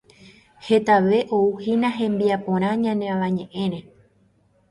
Hetave ouhína hembiaporã ñane Avañeʼẽre.